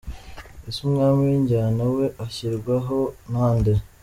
Ese umwami w’injyana we ashyirwa ho na nde ?.